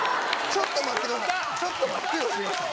ちょっと待って吉村さん。